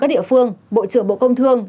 các địa phương bộ trưởng bộ công thương